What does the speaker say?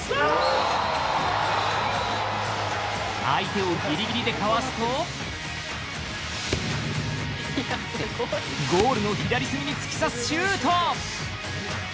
相手をギリギリでかわすとゴールの左隅に突き刺すシュート。